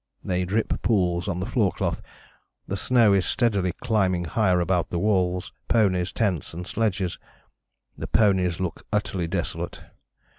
They drip pools on the floor cloth. The snow is steadily climbing higher about walls, ponies, tents and sledges. The ponies look utterly desolate.